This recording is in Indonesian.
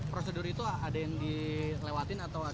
prosedur itu ada yang dilewatin atau